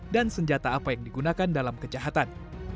dan senjata apa yang digunakan dalam kejahatan